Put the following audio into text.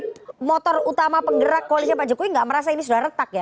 di perjuangan sebagai motor utama penggerak koalisi pak jokowi tidak merasa ini sudah retak ya